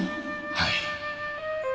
はい